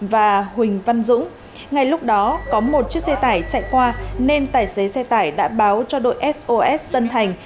và huỳnh văn dũng ngay lúc đó có một chiếc xe tải chạy qua nên tài xế xe tải đã báo cho đội sos tân thành